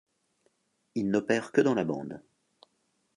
Il n'opère que dans la bande.